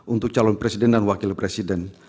untuk calon presiden dan wakil presiden